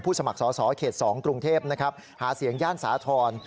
สมัครสอสอเขต๒กรุงเทพนะครับหาเสียงย่านสาธรณ์